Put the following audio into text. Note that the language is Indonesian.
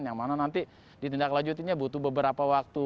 yang mana nanti ditindaklanjutinya butuh beberapa waktu